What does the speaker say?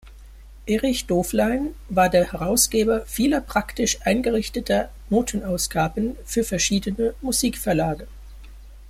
Erich Doflein war der Herausgeber vieler praktisch eingerichteter Notenausgaben für verschiedene Musikverlage.